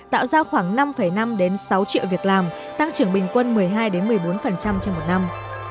tạo ra khoảng năm năm sáu triệu việc làm tăng trưởng bình quân một mươi hai một mươi bốn trên một năm